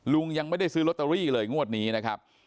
ลุงยังไม่ได้ซื้อลอตเตอรี่เลยงวดนี้นะครับ